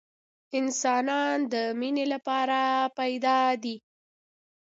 انسانان د مینې لپاره پیدا دي